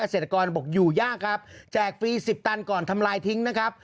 เศรษฐกรบอกอยู่ยากครับแจกฟรี๑๐ตันก่อนทำลายทิ้งนะครับ